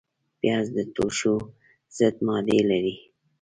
پیاز د توښو ضد ماده لري